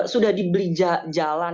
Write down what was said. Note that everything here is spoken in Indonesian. sudah dibeli jalan